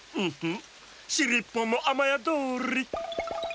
しりっぽんもあまやどり。